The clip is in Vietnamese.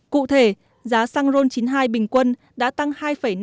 cụ thể giá xăng ron chín mươi hai bình quân đã tăng hai năm